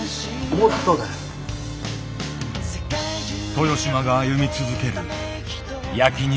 豊島が歩み続ける焼肉